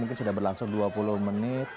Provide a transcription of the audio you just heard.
mungkin sudah berlangsung dua puluh menit